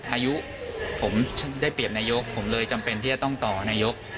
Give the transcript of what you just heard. อายุผมได้เปรียบนายกผมเลยจำเป็นที่จะต้องต่อนายก